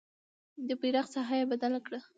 د بیرغ ساحه یې بدله کړه.